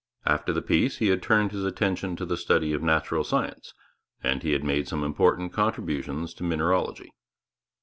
After the peace he had turned his attention to the study of natural science, and he had made some important contributions to mineralogy.